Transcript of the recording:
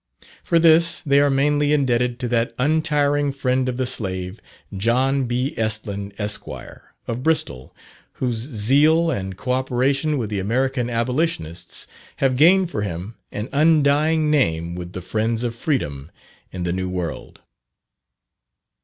For this, they are mainly indebted to that untiring friend of the Slave, John B. Estlin, Esq., of Bristol, whose zeal and co operation with the American Abolitionists, have gained for him an undying name with the friends of freedom in the New World.